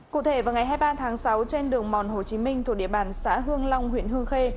cụ thể vào ngày hai mươi ba tháng sáu trên đường mòn hồ chí minh thuộc địa bàn xã hương long huyện hương khê